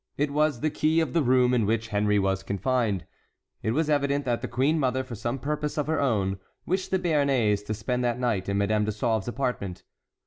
It was the key of the room in which Henry was confined. It was evident that the queen mother for some purpose of her own wished the Béarnais to spend that night in Madame de Sauve's apartment.